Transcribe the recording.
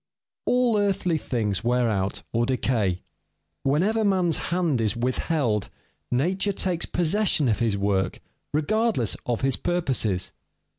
_ All earthly things wear out or decay. Whenever man's hand is withheld, nature takes possession of his work, regardless of his purposes.